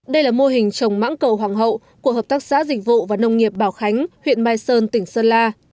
đây là mô hình trồng mãng cầu hoàng hậu của hợp tác xã dịch vụ và nông nghiệp bảo khánh huyện mai sơn tỉnh sơn la